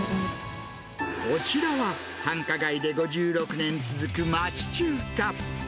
こちらは繁華街で５６年続く町中華。